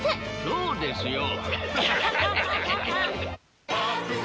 そうですよ。